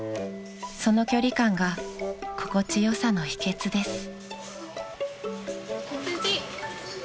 ［その距離感が心地よさの秘訣です］